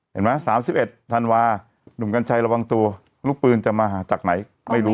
เห็นไหม๓๑ธันวาหนุ่มกัญชัยระวังตัวลูกปืนจะมาจากไหนไม่รู้